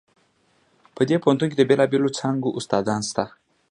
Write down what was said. په دې پوهنتون کې د بیلابیلو څانګو استادان شته دي